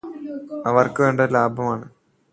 അവർക്ക് വേണ്ടത് ലാഭമാണ്.